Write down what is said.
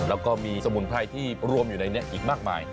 แล้วก็มีสมุนไพรที่รวมอยู่ในนี้อีกมากมาย